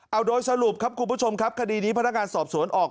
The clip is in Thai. เอาโดยสรุปครับคุณผู้ชมครับคดีนี้พนักงานสอบสวนออก